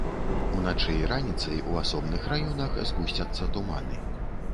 Уначы і раніцай ў асобных раёнах згусцяцца туманы.